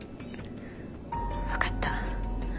わかった。